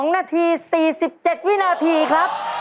๒นาที๔๗วินาทีครับ